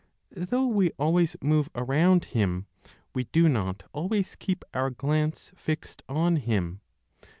Though we always move around Him, we do not always keep our glance fixed on Him.